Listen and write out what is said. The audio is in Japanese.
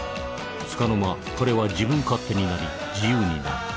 つかの間彼は自分勝手になり自由になる。